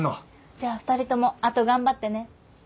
じゃあ２人ともあと頑張ってね。